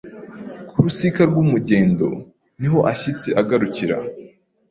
Ku rusika rw’umugendo ni ho ashyitsi agarukira